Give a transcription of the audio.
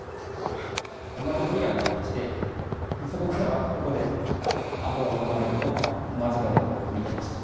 マジックミラーになっていまして、そこから、ここで犯行が行われるのを、間近では見てましたね。